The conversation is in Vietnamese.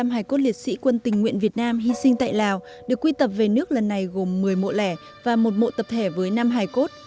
một mươi hải cốt liệt sĩ quân tình nguyện việt nam hy sinh tại lào được quy tập về nước lần này gồm một mươi mộ lẻ và một mộ tập thể với năm hải cốt